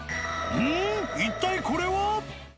一体これは？